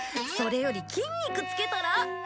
それより筋肉つけたら？